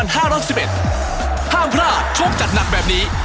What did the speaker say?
ห้ามพลาดโชคจัดหนักแบบนี้